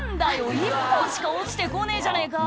１本しか落ちて来ねえじゃねぇか」